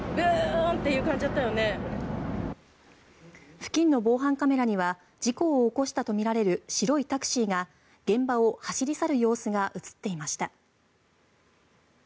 付近の防犯カメラには事故を起こしたとみられる白いタクシーが現場を走り去る様子が映っていました。